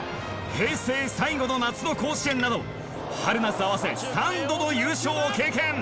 平成最後の夏の甲子園など春夏合わせ３度の優勝を経験。